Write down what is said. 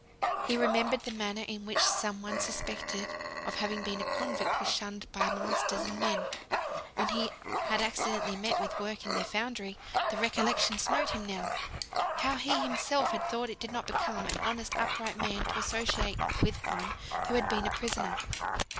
He remembered the manner in which some one suspected of having been a convict was shunned by masters and men, when he had accidentally met with work in their foundry; the recollection smote him now, how he himself had thought that it did not become an honest upright man to associate with one who had been a prisoner.